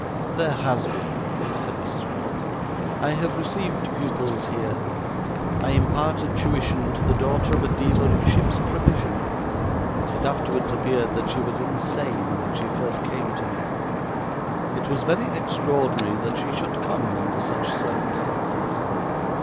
'There has been,' said Mrs. Crummles. 'I have received pupils here. I imparted tuition to the daughter of a dealer in ships' provision; but it afterwards appeared that she was insane when she first came to me. It was very extraordinary that she should come, under such circumstances.